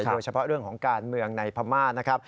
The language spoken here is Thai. โดยเฉพาะเรื่องของการเมืองในพม่านะครับ